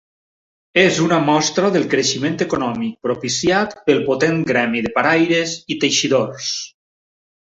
És una mostra del creixement econòmic propiciat pel potent gremi de Paraires i Teixidors.